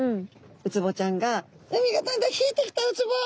ウツボちゃんが「海がだんだん引いてきたウツボ！